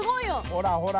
ほらほら！